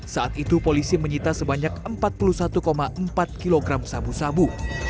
saat itu polisi menyita sebanyak empat puluh satu empat kg sabu sabu